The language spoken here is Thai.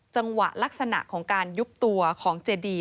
ลักษณะของการยุบตัวของเจดี